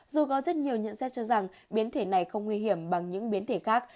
dù có rất nhiều nhận xét cho rằng biến thể này không nguy hiểm bằng những biến thể khác